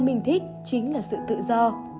mình thích chính là sự tự do